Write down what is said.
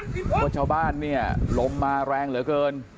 เพราะชาวบ้านเนี่ยลมมาแรงเหลือเกิน